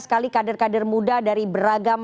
sekali kader kader muda dari beragam